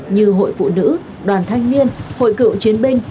như hội phụ nữ đoàn thanh niên hội cựu chiến binh